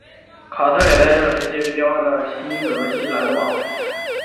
卡特也在这个时期内被交换到新泽西篮网。